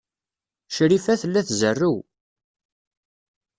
Crifa tella tzerrew.